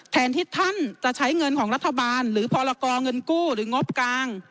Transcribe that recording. แทนที่ท่านจะใช้เงินของรัฐบาลหรือพรกรเงินกู้หรืองบกลาง